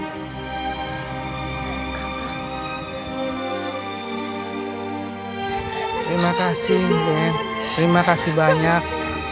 terima kasih terima kasih banyak